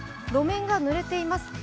路面が濡れています。